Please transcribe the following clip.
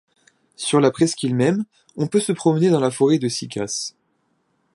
Sur la presqu'île même, on peut se promener dans la forêt des Cycas.